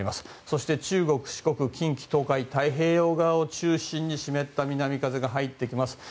そして、中国・四国、近畿・東海太平洋側を中心に湿った南風が入ってきます。